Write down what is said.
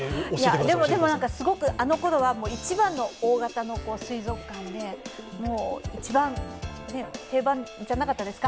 でもなんか、すごくあのころは一番の大型の水族館で一番、定番じゃなかったですか。